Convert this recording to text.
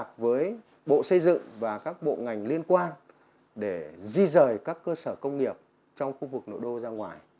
chủ trì để bàn bạc với bộ xây dựng và các bộ ngành liên quan để di rời các cơ sở công nghiệp trong khu vực nội đô ra ngoài